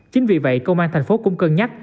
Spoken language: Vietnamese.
chính vì vậy công an thành phố cũng cân nhắc